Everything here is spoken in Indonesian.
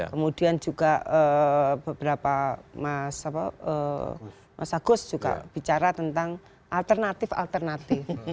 kemudian juga beberapa mas agus juga bicara tentang alternatif alternatif